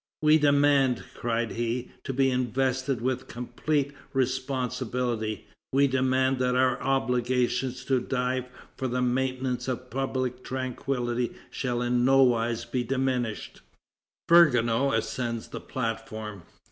"We demand," cried he, "to be invested with complete responsibility; we demand that our obligation to die for the maintenance of public tranquillity shall in nowise be diminished." Vergniaud ascends the platform.